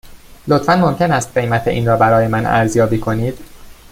لطفاً ممکن است قیمت این را برای من ارزیابی کنید؟